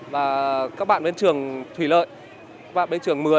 và các bạn bên trường thủy lợi các bạn bên trường một mươi